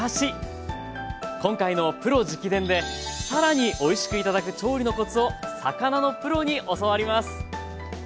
今回の「プロ直伝！」で更においしく頂く調理のコツを魚のプロに教わります！